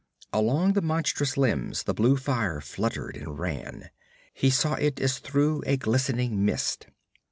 Along the monstrous limbs the blue fire fluttered and ran. He saw it as through a glistening mist.